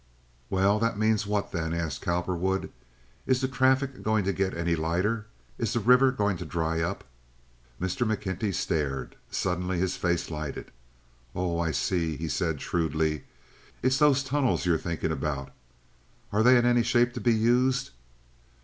"Well, that means what, then?" asked Cowperwood. "Is the traffic going to get any lighter? Is the river going to dry up?" Mr. McKenty stared. Suddenly his face lighted. "Oh, I see," he said, shrewdly. "It's those tunnels you're thinking about. Are they in any shape to be used?"